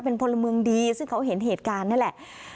เป็นพลเมืองดีซึ่งเขาเห็นเหตุการณ์นั่นแหละ